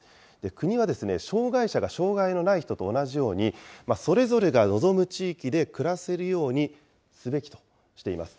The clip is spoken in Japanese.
国は、障害者が障害のない人と同じように、それぞれが望む地域で暮らせるようにすべきとしています。